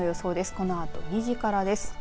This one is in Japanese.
このあと２時からです。